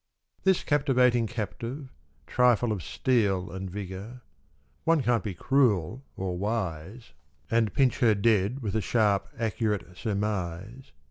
This captivating captive, Trifle of steel and vigour : One can't be cruel — or wise — And pinch her dead with a sharp accurate surmise.